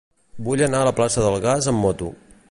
Vull anar a la plaça del Gas amb moto.